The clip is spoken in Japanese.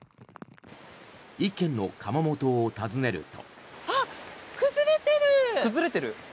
１軒の窯元を訪ねると。